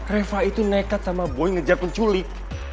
reva itu nekat sama boy ngejar penculik